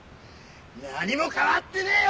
何も変わってねえよ